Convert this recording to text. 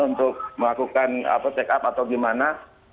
untuk melakukan check up atau gimana